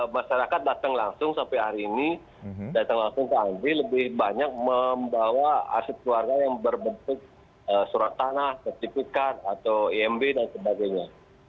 masyarakat datang langsung sampai hari ini datang langsung ke andi lebih banyak membawa aset keluarga yang berbentuk surat tanah sertifikat atau imb dan sebagainya